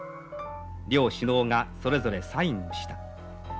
両首脳がそれぞれサインをした。